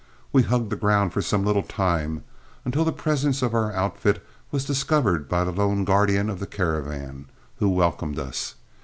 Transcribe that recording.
We hugged the ground for some little time, until the presence of our outfit was discovered by the lone guardian of the caravan, who welcomed us.